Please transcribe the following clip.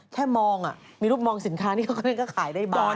แค่มองอ่ะมีรูปมองสินค้านี่เขาก็ได้ขายได้บ้าน